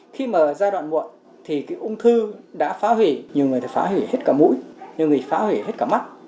khi mà giai đoạn muộn thì cái ung thư đã phá hủy nhiều người thì phá hủy hết cả mũi nhiều người thì phá hủy hết cả mắt